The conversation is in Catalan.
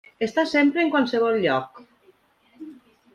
Està sempre en qualsevol lloc.